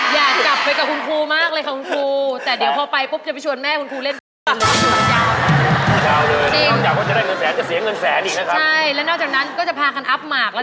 อย่ากลับไปกับคุณครูมากเลยค่ะคุณครู